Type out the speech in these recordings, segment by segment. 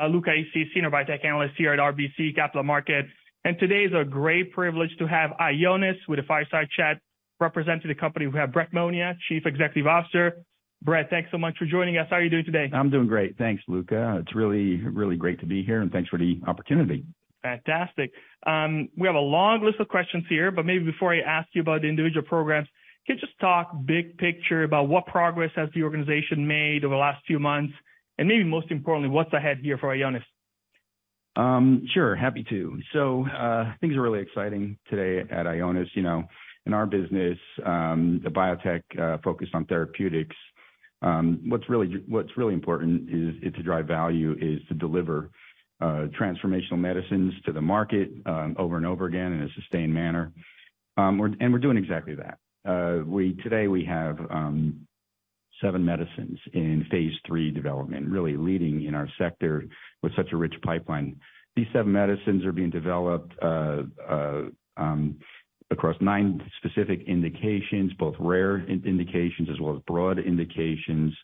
I'm Luca Issi, Senior Biotech Analyst here at RBC Capital Markets, today is a great privilege to have Ionis with the Fireside Chat representing the company. We have Brett Monia, Chief Executive Officer. Brett, thanks so much for joining us. How are you doing today? I'm doing great. Thanks, Luca. It's really, really great to be here, and thanks for the opportunity. Fantastic. We have a long list of questions here, but maybe before I ask you about the individual programs, can you just talk big picture about what progress has the organization made over the last few months, and maybe most importantly, what's ahead here for Ionis? Sure. Happy to. Things are really exciting today at Ionis. You know, in our business, the biotech focused on therapeutics, what's really important is to drive value, is to deliver transformational medicines to the market over and over again in a sustained manner. We're doing exactly that. Today we have 7 medicines in phase 3 development, really leading in our sector with such a rich pipeline. These 7 medicines are being developed across 9 specific indications, both rare in-indications as well as broad indications.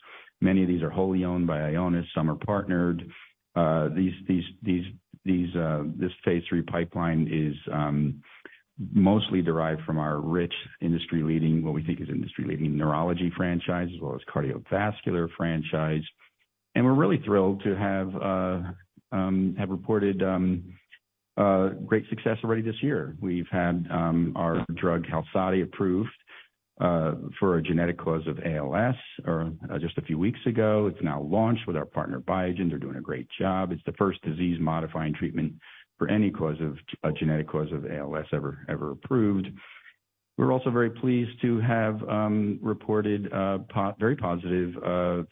Many of these are wholly owned by Ionis. Some are partnered. This phase 3 pipeline is mostly derived from our rich industry-leading, what we think is industry-leading neurology franchise as well as cardiovascular franchise. We're really thrilled to have reported great success already this year. We've had our drug, Qalsody, approved for a genetic cause of ALS just a few weeks ago. It's now launched with our partner, Biogen. They're doing a great job. It's the first disease-modifying treatment for a genetic cause of ALS ever approved. We're also very pleased to have reported very positive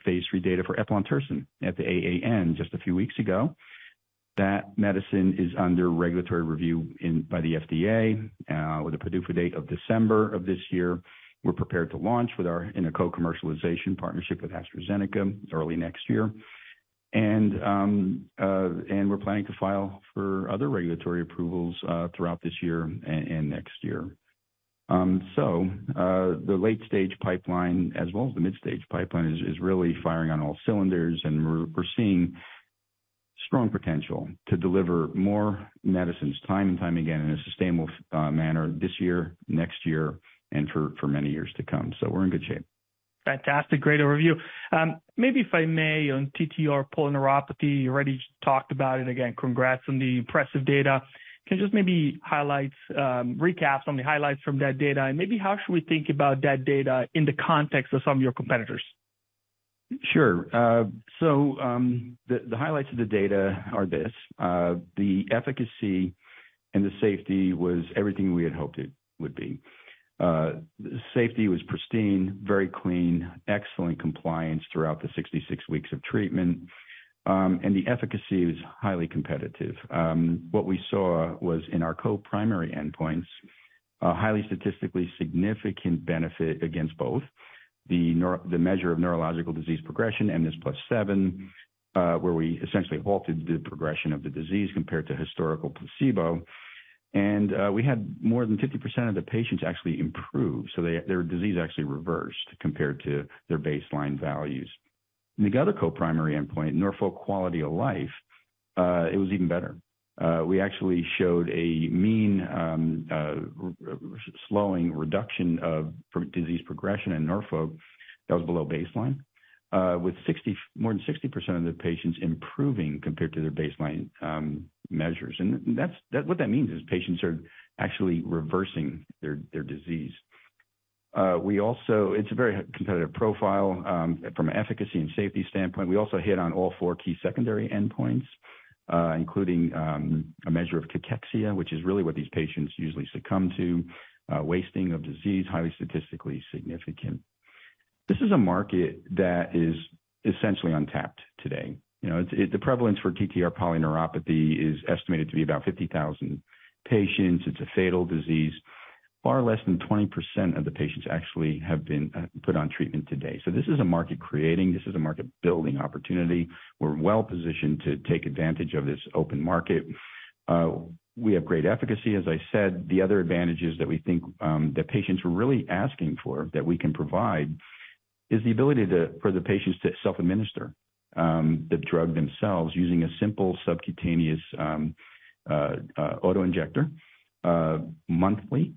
phase 3 data for Eplontersen at the AAN just a few weeks ago. That medicine is under regulatory review by the FDA with a PDUFA date of December of this year. We're prepared to launch with our co-commercialization partnership with AstraZeneca early next year. We're planning to file for other regulatory approvals throughout this year and next year. The late-stage pipeline as well as the mid-stage pipeline is really firing on all cylinders, and we're seeing strong potential to deliver more medicines time and time again in a sustainable manner this year, next year, and for many years to come. We're in good shape. Fantastic. Great overview. Maybe if I may, on TTR polyneuropathy, you already talked about it. Again, congrats on the impressive data. Can you just maybe highlights, recaps on the highlights from that data, and maybe how should we think about that data in the context of some of your competitors? The highlights of the data are this, the efficacy and the safety was everything we had hoped it would be. Safety was pristine, very clean, excellent compliance throughout the 66 weeks of treatment, and the efficacy was highly competitive. What we saw was in our co-primary endpoints, a highly statistically significant benefit against both the measure of neurological disease progression, mNIS+7, where we essentially halted the progression of the disease compared to historical placebo. We had more than 50% of the patients actually improve, so they, their disease actually reversed compared to their baseline values. In the other co-primary endpoint, Norfolk Quality of Life, it was even better. We actually showed a mean slowing reduction of disease progression in Norfolk that was below baseline, with 60, more than 60% of the patients improving compared to their baseline measures. What that means is patients are actually reversing their disease. It's a very competitive profile from efficacy and safety standpoint. We also hit on all 4 key secondary endpoints, including a measure of cachexia, which is really what these patients usually succumb to, wasting of disease, highly statistically significant. This is a market that is essentially untapped today. You know, the prevalence for TTR polyneuropathy is estimated to be about 50,000 patients. It's a fatal disease. Far less than 20% of the patients actually have been put on treatment to date. This is a market creating, this is a market building opportunity. We're well-positioned to take advantage of this open market. We have great efficacy, as I said. The other advantages that we think that patients are really asking for that we can provide is the ability to, for the patients to self-administer the drug themselves using a simple subcutaneous auto-injector, monthly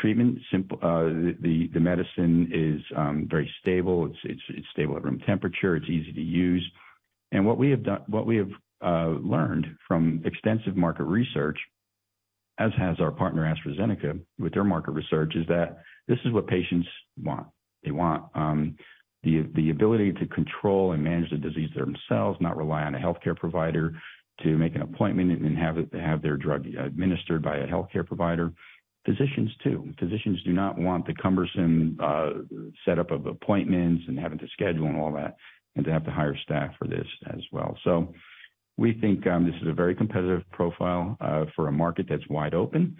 treatment. Simple, the medicine is very stable. It's stable at room temperature. It's easy to use. What we have learned from extensive market research, as has our partner, AstraZeneca, with their market research, is that this is what patients want. They want the ability to control and manage the disease themselves, not rely on a healthcare provider to make an appointment and have their drug administered by a healthcare provider. Physicians, too. Physicians do not want the cumbersome setup of appointments and having to schedule and all that and to have to hire staff for this as well. We think this is a very competitive profile for a market that's wide open,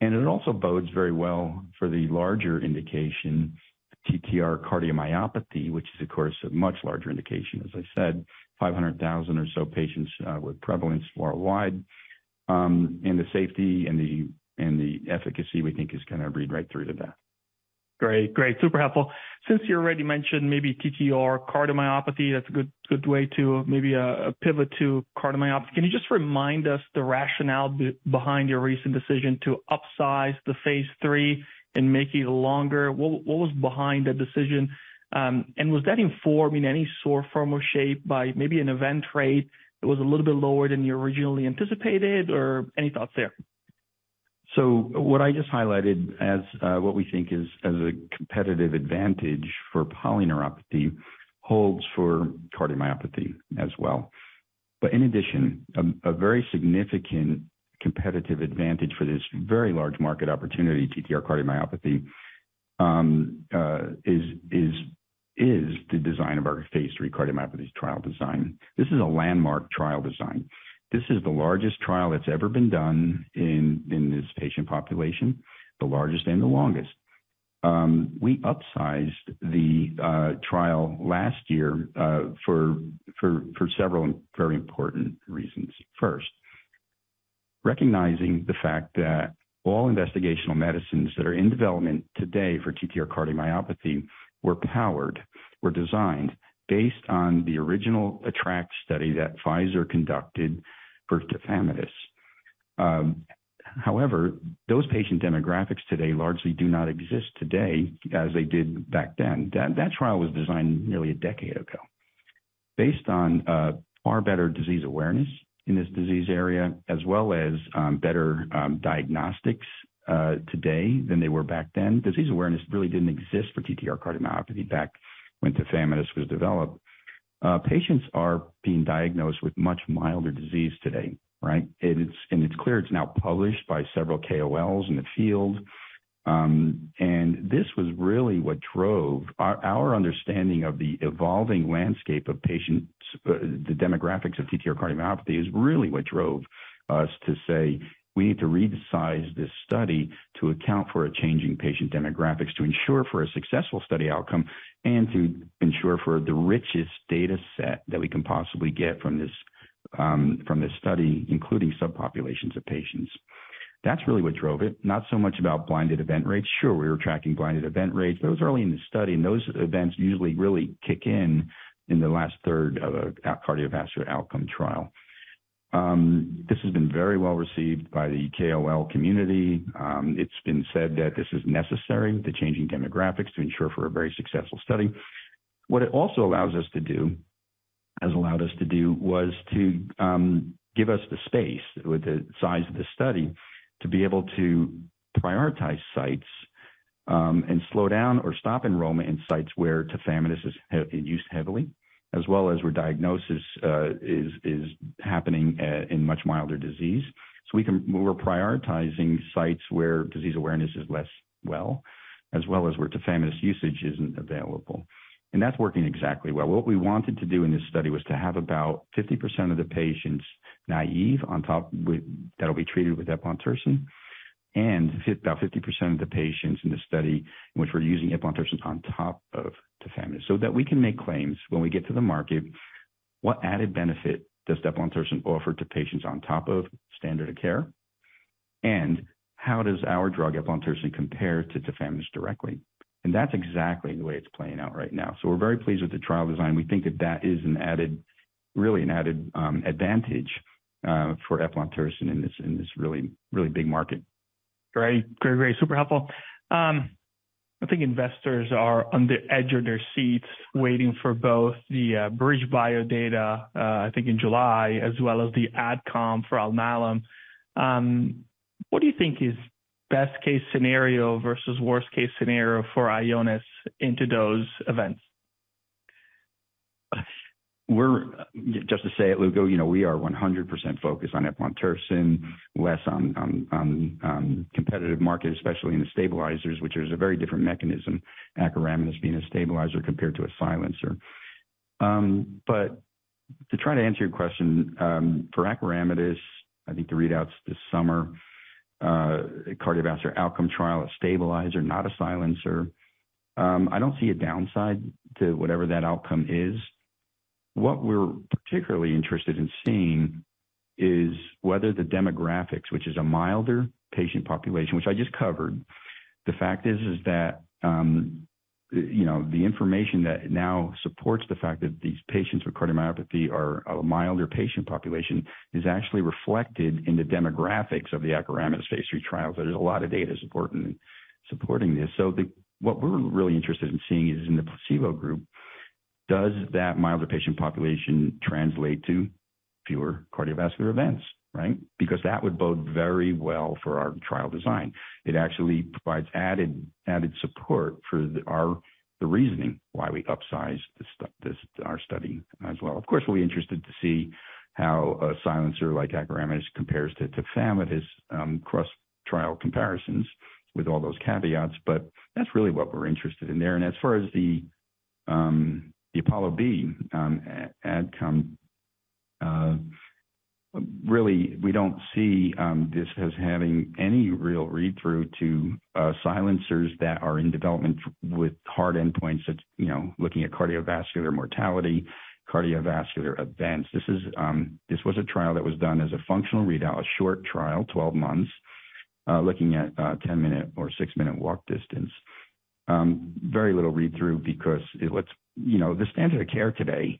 and it also bodes very well for the larger indication, TTR cardiomyopathy, which is, of course, a much larger indication. As I said, 500,000 or so patients with prevalence worldwide, and the safety and the efficacy, we think is gonna read right through to that. Great, great. Super helpful. Since you already mentioned maybe TTR cardiomyopathy, that's a good way to maybe pivot to cardiomyopathy. Can you just remind us the rationale behind your recent decision to upsize the phase 3 and make it longer? What was behind that decision? Was that informed in any sort, form, or shape by maybe an event rate that was a little bit lower than you originally anticipated? Or any thoughts there? What I just highlighted as what we think is as a competitive advantage for polyneuropathy holds for cardiomyopathy as well. In addition, a very significant competitive advantage for this very large market opportunity, TTR cardiomyopathy, is the design of our phase 3 cardiomyopathy trial design. This is a landmark trial design. This is the largest trial that's ever been done in this patient population, the largest and the longest. We upsized the trial last year for several and very important reasons. First, recognizing the fact that all investigational medicines that are in development today for TTR cardiomyopathy were powered, were designed based on the original ATTR-ACT study that Pfizer conducted for Tafamidis. However, those patient demographics today largely do not exist today as they did back then. That trial was designed nearly a decade ago. Based on far better disease awareness in this disease area as well as better diagnostics today than they were back then. Disease awareness really didn't exist for TTR cardiomyopathy back when Tafamidis was developed. Patients are being diagnosed with much milder disease today, right? It's clear it's now published by several KOLs in the field. This was really what drove... Our understanding of the evolving landscape of patients, the demographics of TTR cardiomyopathy, is really what drove us to say, "We need to resize this study to account for a change in patient demographics to ensure for a successful study outcome and to ensure for the richest data set that we can possibly get from this, from this study, including subpopulations of patients." That's really what drove it, not so much about blinded event rates. Sure, we were tracking blinded event rates. That was early in the study, and those events usually really kick in in the last third of a cardiovascular outcome trial. This has been very well-received by the KOL community. It's been said that this is necessary, the changing demographics, to ensure for a very successful study. What it also allows us to do, has allowed us to do, was to give us the space with the size of the study to be able to prioritize sites, and slow down or stop enrollment in sites where Tafamidis is used heavily, as well as where diagnosis is happening in much milder disease. We're prioritizing sites where disease awareness is less well, as well as where Tafamidis usage isn't available. That's working exactly well. What we wanted to do in this study was to have about 50% of the patients naive that'll be treated with eplontersen and about 50% of the patients in the study in which we're using Eplontersen on top of tafamidis, so that we can make claims when we get to the market, what added benefit does Eplontersen offer to patients on top of standard of care? How does our drug, Eplontersen, compare to Tafamidis directly? That's exactly the way it's playing out right now. We're very pleased with the trial design. We think that that is an added, really an added advantage for Eplontersen in this, in this really, really big market. Great. Great, great. Super helpful. I think investors are on the edge of their seats waiting for both the BridgeBio data, I think in July, as well as the AdCom for Alnylam. What do you think is best-case scenario versus worst-case scenario for Ionis into those events? Just to say it, Lugo, you know, we are 100% focused on Eplontersen, less on competitive markets, especially in the stabilizers, which is a very different mechanism, Acoramidis being a stabilizer compared to a silencer. To try to answer your question, for Acoramidis, I think the readout's this summer, cardiovascular outcome trial, a stabilizer, not a silencer. I don't see a downside to whatever that outcome is. What we're particularly interested in seeing is whether the demographics, which is a milder patient population, which I just covered. The fact is that, you know, the information that now supports the fact that these patients with cardiomyopathy are a milder patient population is actually reflected in the demographics of the Acoramidis phase 3 trial. There's a lot of data supporting this. What we're really interested in seeing is in the placebo group, does that milder patient population translate to fewer cardiovascular events, right? That would bode very well for our trial design. It actually provides added support for the reasoning why we upsized this, our study as well. Of course, we'll be interested to see how a silencer like Acoramidis compares to Tafamidis, cross-trial comparisons with all those caveats. That's really what we're interested in there. As far as the Apollo B AdCom, really, we don't see this as having any real read-through to silencers that are in development. With hard endpoints, that's, you know, looking at cardiovascular mortality, cardiovascular events. This is, this was a trial that was done as a functional readout, a short trial, 12 months, looking at 10-minute or 6-minute walk distance. Very little read-through because you know, the standard of care today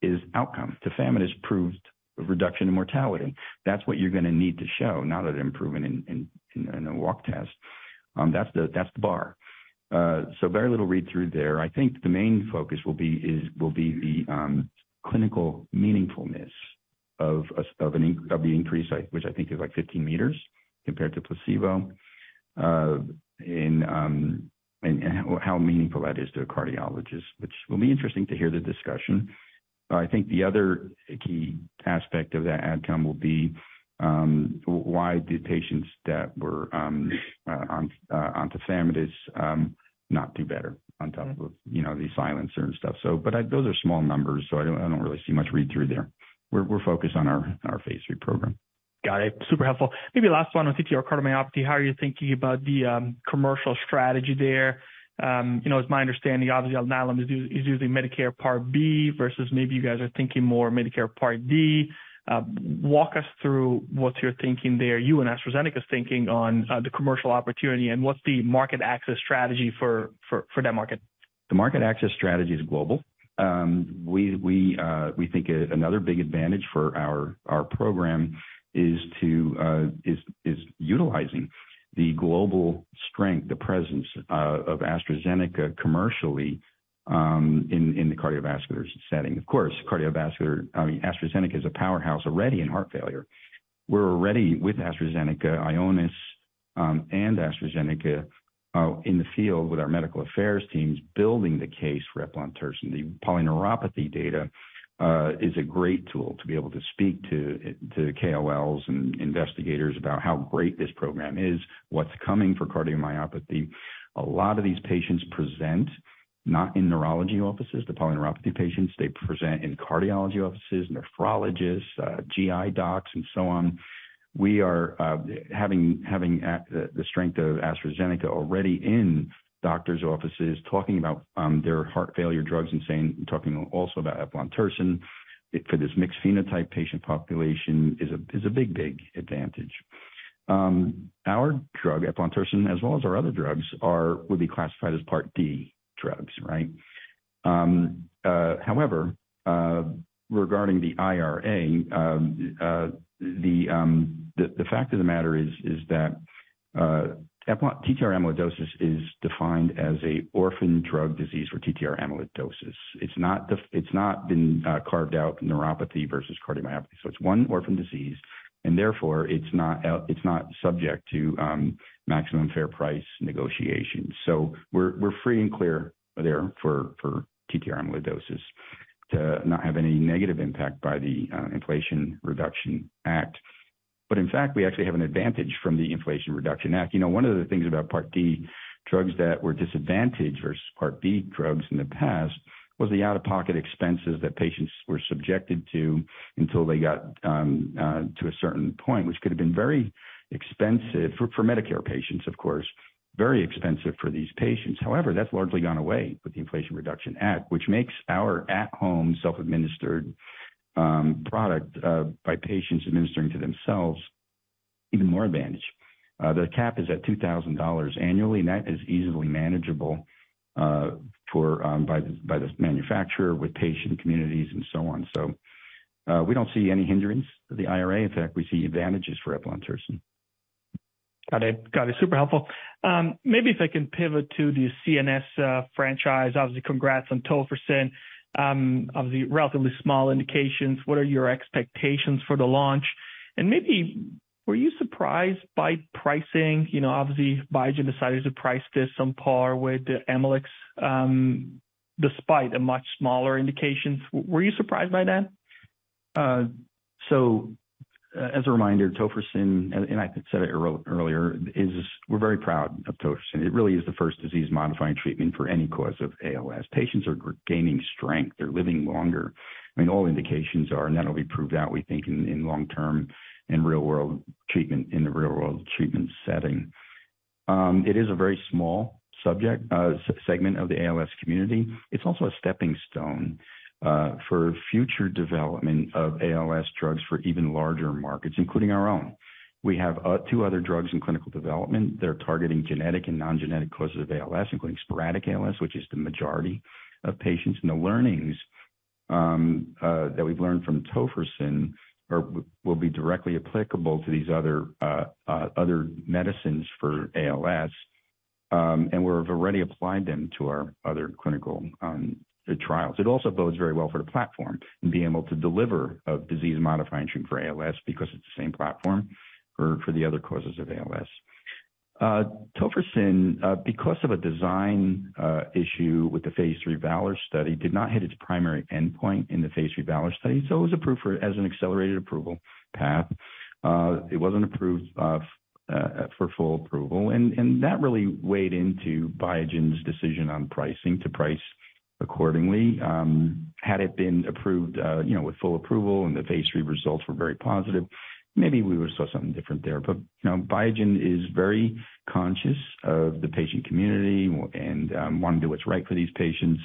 is outcome. Tafamidis proved a reduction in mortality. That's what you're gonna need to show, not an improvement in, in a walk test. That's the, that's the bar. Very little read-through there. I think the main focus will be, will be the clinical meaningfulness of the increase, which I think is like 15 meters compared to placebo. And how meaningful that is to a cardiologist, which will be interesting to hear the discussion. I think the other key aspect of that outcome will be, why the patients that were on Tafamidis not do better on top of, you know, the silencer and stuff. But, those are small numbers, I don't really see much read-through there. We're focused on our phase 3 program. Got it. Super helpful. Maybe last one on TTR cardiomyopathy. How are you thinking about the commercial strategy there? You know, it's my understanding obviously Alnylam is using Medicare Part B versus maybe you guys are thinking more Medicare Part D. Walk us through what you're thinking there, you and AstraZeneca's thinking on the commercial opportunity and what's the market access strategy for that market. The market access strategy is global. We think another big advantage for our program is to utilizing the global strength, the presence of AstraZeneca commercially in the cardiovascular setting. Of course, I mean, AstraZeneca is a powerhouse already in heart failure. We're already with AstraZeneca, Ionis, and AstraZeneca in the field with our medical affairs teams building the case for Eplontersen. The polyneuropathy data is a great tool to be able to speak to KOLs and investigators about how great this program is, what's coming for cardiomyopathy. A lot of these patients present not in neurology offices, the polyneuropathy patients, they present in cardiology offices, nephrologists, GI docs, and so on. We are having the strength of AstraZeneca already in doctor's offices talking about their heart failure drugs and saying, talking also about Eplontersen for this mixed phenotype patient population is a big advantage. Our drug, Eplontersen, as well as our other drugs are, would be classified as Part D drugs, right? However, regarding the IRA, the fact of the matter is that TTR amyloidosis is defined as a orphan drug disease for TTR amyloidosis. It's not been carved out neuropathy versus cardiomyopathy. So it's one orphan disease and therefore it's not subject to maximum fair price negotiations. We're free and clear there for TTR amyloidosis to not have any negative impact by the Inflation Reduction Act. In fact, we actually have an advantage from the Inflation Reduction Act. You know, one of the things about Part D drugs that were disadvantaged versus Part B drugs in the past was the out-of-pocket expenses that patients were subjected to until they got to a certain point, which could have been very expensive for Medicare patients, of course, very expensive for these patients. That's largely gone away with the Inflation Reduction Act, which makes our at-home self-administered product by patients administering to themselves even more advantage. The cap is at $2,000 annually, and that is easily manageable for by the manufacturer with patient communities and so on. We don't see any hindrance to the IRA. In fact, we see advantages for Eplontersen. Got it. Got it. Super helpful. Maybe if I can pivot to the CNS franchise, obviously congrats on Tofersen. Obviously relatively small indications. What are your expectations for the launch? Maybe were you surprised by pricing? You know, obviously Biogen decided to price this on par with Amylyx, despite a much smaller indications. Were you surprised by that? As a reminder, Tofersen, and I said it earlier, is we're very proud of Tofersen. It really is the first disease-modifying treatment for any cause of ALS. Patients are gaining strength. They're living longer. I mean, all indications are, and that'll be proved out, we think, in long-term, in real-world treatment, in the real-world treatment setting. It is a very small subject segment of the ALS community. It's also a stepping stone for future development of ALS drugs for even larger markets, including our own. We have two other drugs in clinical development that are targeting genetic and non-genetic causes of ALS, including sporadic ALS, which is the majority of patients. The learnings that we've learned from Tofersen are will be directly applicable to these other medicines for ALS, and we've already applied them to our other clinical trials. It also bodes very well for the platform in being able to deliver a disease-modifying treatment for ALS because it's the same platform for the other causes of ALS. Tofersen because of a design issue with the phase 3 VALOR study, did not hit its primary endpoint in the phase 3 VALOR study, so it was approved as an accelerated approval path. It wasn't approved for full approval, and that really weighed into Biogen's decision on pricing, to price accordingly, had it been approved, you know, with full approval and the phase 3 results were very positive, maybe we would have saw something different there. You know, Biogen is very conscious of the patient community and want to do what's right for these patients,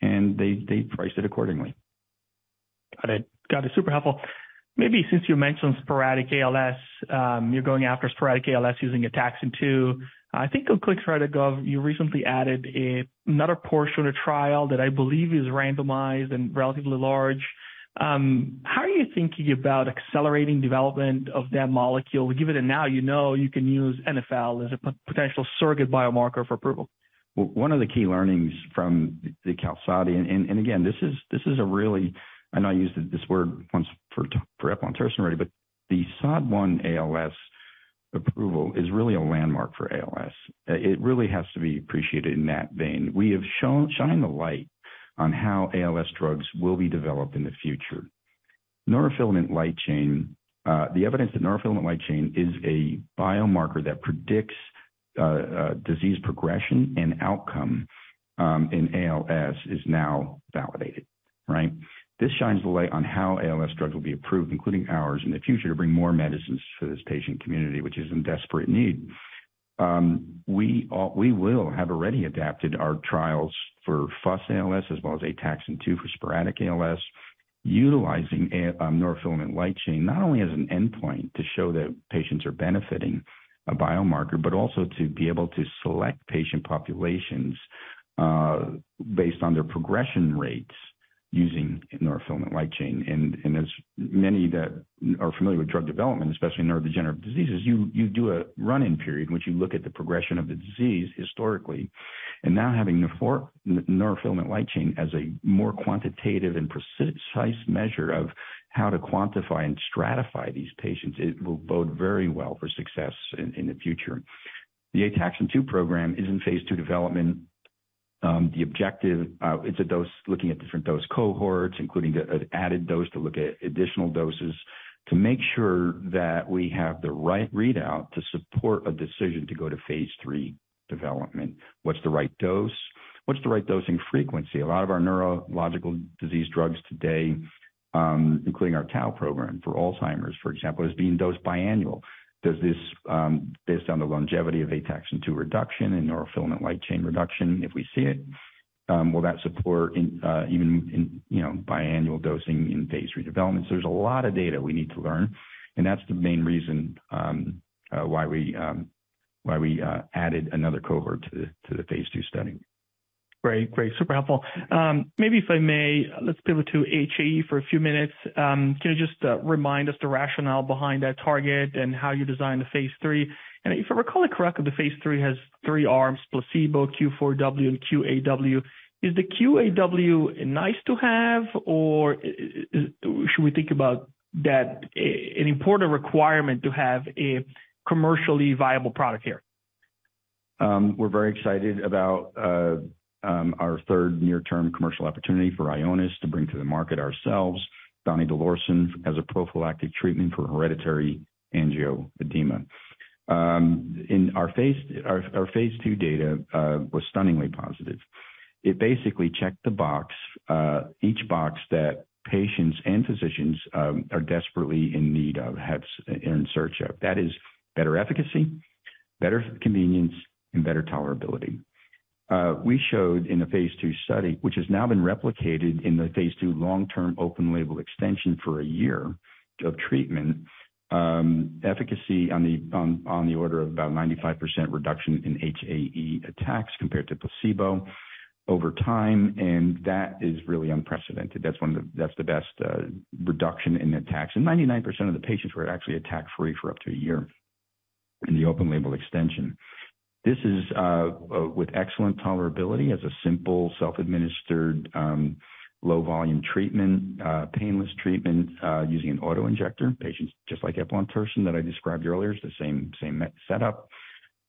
and they priced it accordingly. Got it. Got it. Super helpful. Maybe since you mentioned sporadic ALS, you're going after sporadic ALS using Ataxin-2. I think on ClinicalTrials.gov, you recently added another portion of trial that I believe is randomized and relatively large. How are you thinking about accelerating development of that molecule, given that now you know you can use NFL as a potential surrogate biomarker for approval? One of the key learnings from the QALSODY, and again, this is a really I know I used this word once for Eplontersen already, but the SOD1 ALS approval is really a landmark for ALS. It really has to be appreciated in that vein. We have shined a light on how ALS drugs will be developed in the future. Neurofilament light chain, the evidence that neurofilament light chain is a biomarker that predicts disease progression and outcome in ALS is now validated, right? This shines a light on how ALS drugs will be approved, including ours in the future, to bring more medicines to this patient community, which is in desperate need. We will have already adapted our trials for FUS-ALS as well as Ataxin-2 for sporadic ALS, utilizing a neurofilament light chain not only as an endpoint to show that patients are benefiting a biomarker, but also to be able to select patient populations based on their progression rates using neurofilament light chain. As many that are familiar with drug development, especially neurodegenerative diseases, you do a run-in period in which you look at the progression of the disease historically. Now having neurofilament light chain as a more quantitative and precise measure of how to quantify and stratify these patients, it will bode very well for success in the future. The Ataxin-2 program is in phase two development. The objective, it's a dose looking at different dose cohorts, including the added dose to look at additional doses to make sure that we have the right readout to support a decision to go to phase 3 development. What's the right dose? What's the right dosing frequency? A lot of our neurological disease drugs today, including our tau program for Alzheimer's, for example, is being dosed biannual. Does this, based on the longevity of Ataxin-2 reduction and neurofilament light chain reduction, if we see it, will that support even in, you know, biannual dosing in phase 3 development? There's a lot of data we need to learn, and that's the main reason why we added another cohort to the phase 2 study. Great. Great. Super helpful. Maybe if I may, let's pivot to HAE for a few minutes. Can you just remind us the rationale behind that target and how you design the phase 3? If I recall it correctly, the phase 3 has 3 arms, placebo Q4W and Q8W. Is the Q8W nice to have or should we think about that an important requirement to have a commercially viable product here? We're very excited about our third near-term commercial opportunity for Ionis to bring to the market ourselves, Donidalorsen, as a prophylactic treatment for hereditary angioedema. In our phase, our phase 2 data was stunningly positive. It basically checked each box that patients and physicians are desperately in need of, in search of. That is better efficacy, better convenience, and better tolerability. We showed in the phase 2 study, which has now been replicated in the phase 2 long-term open label extension for a year of treatment, efficacy on the order of about 95% reduction in HAE attacks compared to placebo over time. That is really unprecedented. That's the best reduction in attacks. Ninety-nine percent of the patients were actually attack-free for up to a year in the open label extension. This is with excellent tolerability as a simple self-administered, low volume treatment, painless treatment, using an auto-injector. Patients just like Eplontersen that I described earlier. It's the same setup.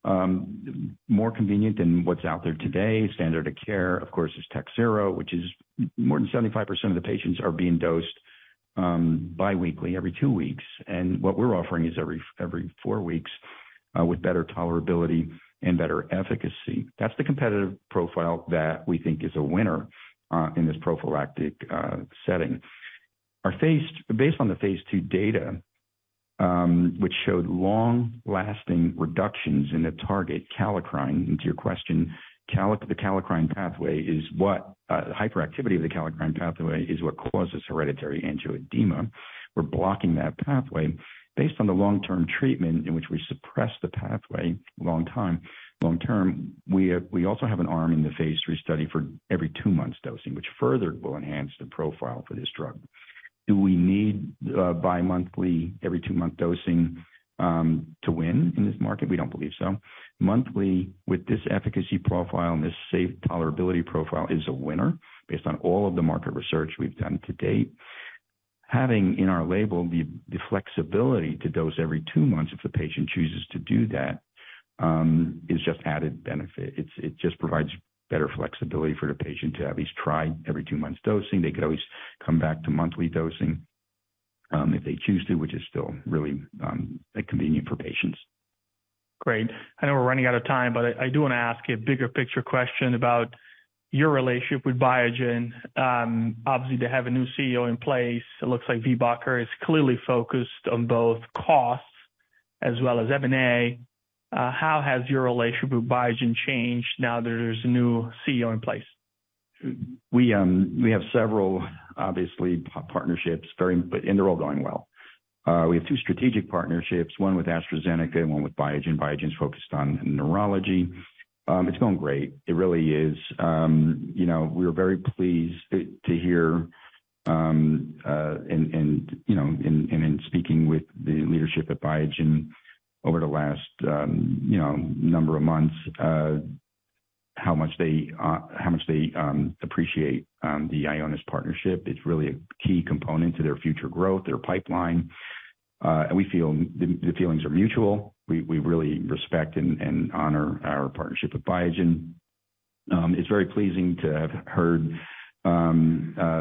More convenient than what's out there today. Standard of care, of course, is Takhzyro, which is more than 75% of the patients are being dosed, biweekly every 2 weeks. What we're offering is every 4 weeks, with better tolerability and better efficacy. That's the competitive profile that we think is a winner in this prophylactic setting. Based on the phase 2 data, which showed long-lasting reductions in the target kallikrein. To your question, hyperactivity of the kallikrein pathway is what causes hereditary angioedema. We're blocking that pathway based on the long-term treatment in which we suppress the pathway long time, long term. We also have an arm in the phase 3 study for every 2 months dosing, which further will enhance the profile for this drug. Do we need bi-monthly, every 2-month dosing to win in this market? We don't believe so. Monthly, with this efficacy profile and this safe tolerability profile, is a winner based on all of the market research we've done to date. Having in our label the flexibility to dose every 2 months if the patient chooses to do that is just added benefit. It just provides better flexibility for the patient to at least try every 2 months dosing. They could always come back to monthly dosing, if they choose to, which is still really convenient for patients. Great. I know we're running out of time, but I do wanna ask a bigger picture question about your relationship with Biogen. Obviously, they have a new CEO in place. It looks like Viehbacher is clearly focused on both costs as well as M&A. How has your relationship with Biogen changed now that there's a new CEO in place? We have several, obviously, partnerships. They're all going well. We have two strategic partnerships, one with AstraZeneca and one with Biogen. Biogen's focused on neurology. It's going great. It really is. You know, we were very pleased to hear, and in speaking with the leadership at Biogen over the last, you know, number of months, how much they appreciate the Ionis partnership. It's really a key component to their future growth, their pipeline. We feel the feelings are mutual. We really respect and honor our partnership with Biogen. It's very pleasing to have heard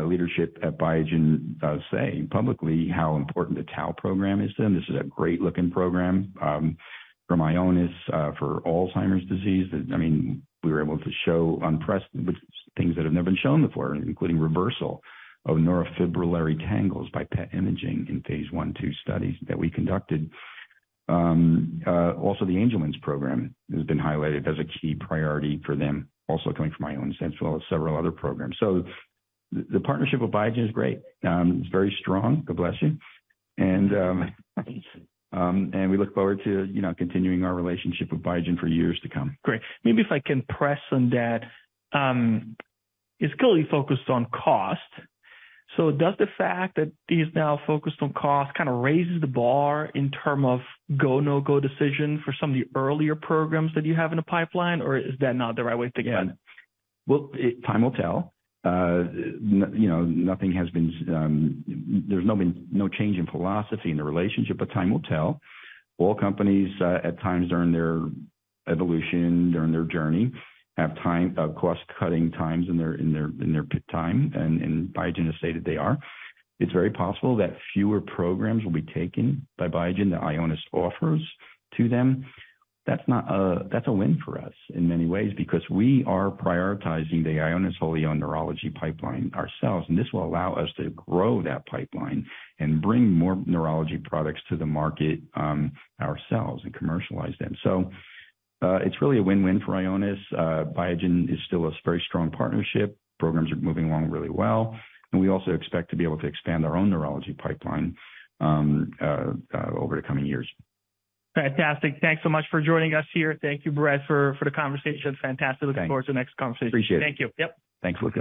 leadership at Biogen say publicly how important the tau program is to them. This is a great looking program, for Ionis, for Alzheimer's disease. I mean, we were able to show things that have never been shown before, including reversal of neurofibrillary tangles by PET imaging in phase 1, 2 studies that we conducted. Also the Angelman's program has been highlighted as a key priority for them, also coming from Ionis, as well as several other programs. The partnership with Biogen is great. It's very strong. God bless you. We look forward to, you know, continuing our relationship with Biogen for years to come. Great. Maybe if I can press on that. It's clearly focused on cost. Does the fact that he's now focused on cost kind of raises the bar in terms of go, no-go decision for some of the earlier programs that you have in the pipeline, or is that not the right way to think about it? Well, time will tell. You know, nothing has been, there's no change in philosophy in the relationship, but time will tell. All companies, at times during their evolution, during their journey, have cost-cutting times in their time. Biogen has stated they are. It's very possible that fewer programs will be taken by Biogen that Ionis offers to them. That's a win for us in many ways, because we are prioritizing the Ionis fully owned neurology pipeline ourselves, and this will allow us to grow that pipeline and bring more neurology products to the market, ourselves and commercialize them. It's really a win-win for Ionis. Biogen is still a very strong partnership. Programs are moving along really well. We also expect to be able to expand our own neurology pipeline, over the coming years. Fantastic. Thanks so much for joining us here. Thank you, Brett, for the conversation. Fantastic. Thanks. Looking forward to the next conversation. Appreciate it. Thank you. Yep. Thanks, Luca.